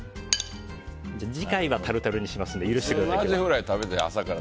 次回はタルタルにしますので今日は許してください。